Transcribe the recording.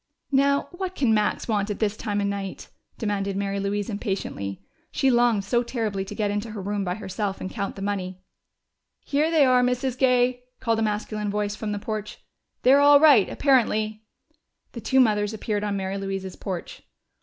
"Now what can Max want at this time of night?" demanded Mary Louise impatiently. She longed so terribly to get into her room by herself and count the money. "Here they are, Mrs. Gay!" called a masculine voice from the porch. "They're all right, apparently." The two mothers appeared on Mary Louise's porch.